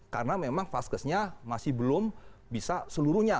karena memang paskesnya masih belum bisa seluruhnya